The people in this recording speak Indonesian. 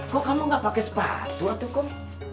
kok kamu gak pake sepatu atukum